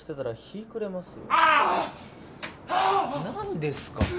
何ですか？